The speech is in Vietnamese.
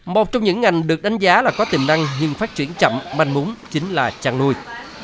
một trong những ngành được đánh giá là có tiềm năng nhưng phát triển chậm manh múng chính là chăn nuôi